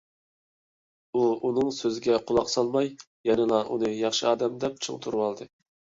ئۇ ئۇنىڭ سۆزىگە قۇلاق سالماي، يەنىلا ئۇنى ياخشى ئادەم دەپ چىڭ تۇرۇۋالدى.